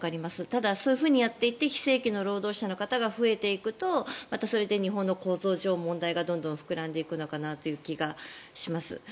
ただ、そうやっていって非正規の労働者の方が増えていくとまたそれで日本の構造上の問題がどんどん膨らんでいくのかなという気がします。